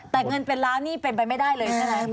แต่เงินเป็นล้านนี่เป็นไปไม่ได้เลยใช่ไหม